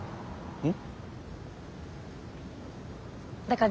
うん。